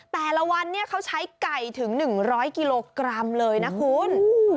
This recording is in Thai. แต่ละวันเนี่ยเขาใช้ไก่ถึง๑๐๐กิโลกรัมเลยนะคุณ